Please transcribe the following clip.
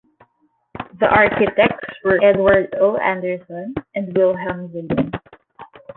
The architects were Edward O. Anderson and Wilhelm Zimmer.